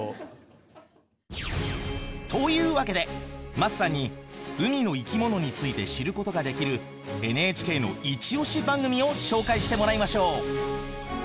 というわけで桝さんに海の生き物について知ることができるＮＨＫのイチオシ番組を紹介してもらいましょう。